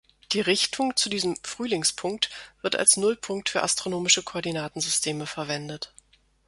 Die Richtung zu diesem „Frühlingspunkt“ wird als Nullpunkt für astronomische Koordinatensysteme verwendet.